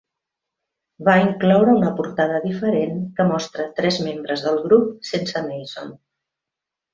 Va incloure una portada diferent que mostra tres membres del grup sense Mason.